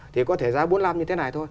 thì có thể giá bốn mươi năm như thế này thôi